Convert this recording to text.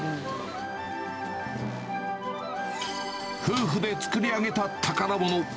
夫婦で作り上げた宝物。